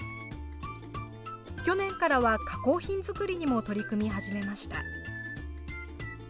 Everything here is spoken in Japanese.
去年からは加工品作りにも取り組み始めました。